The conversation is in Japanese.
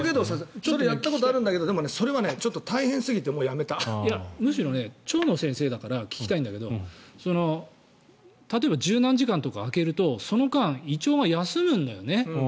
ちょっとやったことがあるんだけどむしろ、腸の先生だから聞きたいんだけれど例えば１０何時間とか空けるとその間、胃腸が休むんだよね。